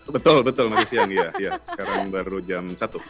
betul betul masih siang ya sekarang baru jam satu